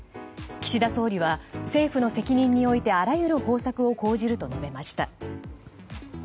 岸田総理は政府の責任においてあらゆる方策を講じると述べました。